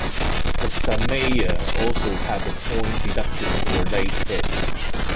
Casamayor also had a point deducted for a late hit.